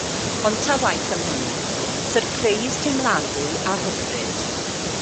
Ond ta waeth am hynny, syrpreis teimladwy a hyfryd.